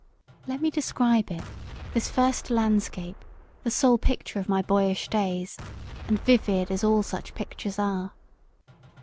Let me describe it this first landscape, the sole picture of my boyish days, and vivid as all such pictures are.